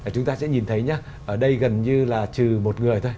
chúng ta sẽ nhìn thấy ở đây gần như là trừ một người thôi